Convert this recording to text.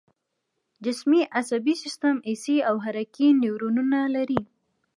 جسمي عصبي سیستم حسي او حرکي نیورونونه لري